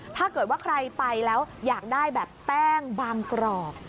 ถ้าเกิดว่าใครไปแล้วอยากได้แบบแป้งบางกรอบ